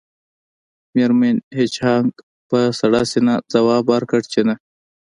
میرمن هیج هاګ په سړه سینه ځواب ورکړ چې نه